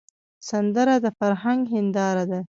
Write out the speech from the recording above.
سندره د فرهنګ هنداره ده